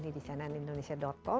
sampai jumpa di channel indonesia insight